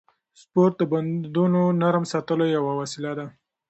سپورت د بندونو نرم ساتلو یوه وسیله ده.